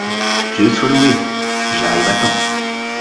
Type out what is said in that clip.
Dieu soit loué ! j’arrive à temps.